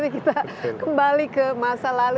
jadi ini sudah kembali ke masa lalu